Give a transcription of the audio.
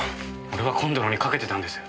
俺は今度のにかけてたんです。